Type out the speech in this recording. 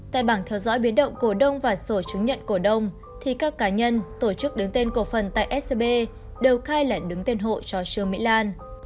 tại bảng theo dõi biến động cổ đông và sổ chứng nhận cổ đông thì các cá nhân tổ chức đứng tên cổ phần tại scb đều khai là đứng tên hộ cho trương mỹ lan